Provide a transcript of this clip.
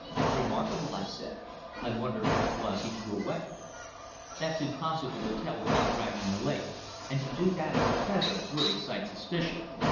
"Remarkable," I said, "I wonder what it was he threw away?" "That's impossible to tell without dragging the lake, and to do that at present would excite suspicion.